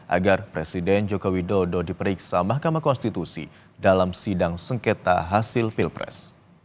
agar presiden joko widodo diperiksa mahkamah konstitusi dalam sidang sengketa hasil pilpres